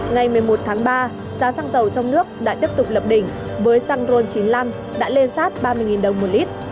ngày một mươi một tháng ba giá xăng dầu trong nước đã tiếp tục lập đỉnh với xăng ron chín mươi năm đã lên sát ba mươi đồng một lít